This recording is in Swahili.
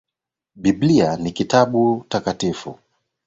Bibilia ni kitabu takatifu.